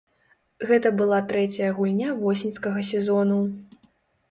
Гэта была трэцяя гульня восеньскага сезону.